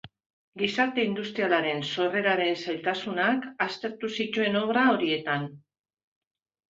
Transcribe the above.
Gizarte industrialaren sorreraren zailtasunak aztertu zituen obra horietan.